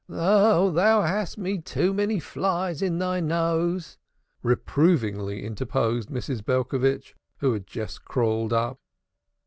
"Ah, thou hast me too many flies in thy nose," reprovingly interposed Mrs. Belcovitch, who had just crawled up.